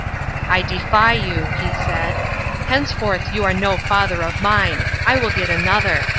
"I defy you," he said. "Henceforth you are no father of mine. I will get another.